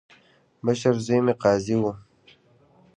مشر زوی مې قاضي وو.